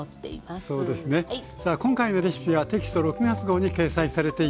今回のレシピはテキスト６月号に掲載されています。